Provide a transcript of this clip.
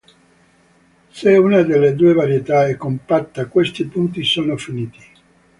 Se una delle due varietà è compatta, questi punti sono finiti.